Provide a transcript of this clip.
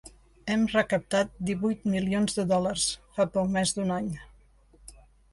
Hem recaptat divuit milions de dòlars, fa poc més d’un any.